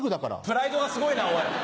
プライドがすごいなおい。